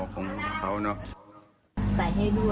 ใส่ให้ด้วยค่ะ